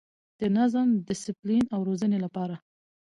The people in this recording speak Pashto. د نظم، ډسپلین او روزنې لپاره